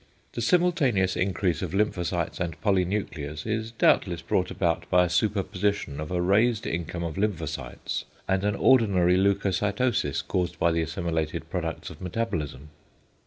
The simultaneous increase of lymphocytes and polynuclears is doubtless brought about by a super position of a raised income of lymphocytes, and an ordinary leucocytosis caused by the assimilated products of metabolism.